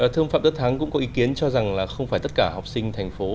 thưa ông phạm đức thắng cũng có ý kiến cho rằng là không phải tất cả học sinh thành phố